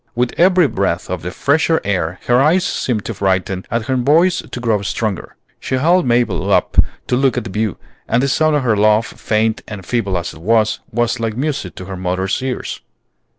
With every breath of the fresher air her eyes seemed to brighten and her voice to grow stronger. She held Mabel up to look at the view; and the sound of her laugh, faint and feeble as it was, was like music to her mother's ears.